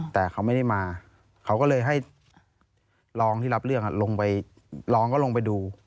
แต่เขาไม่ได้มาเขาก็เลยให้รองที่รับเรื่องลงไปลองก็ลงไปดู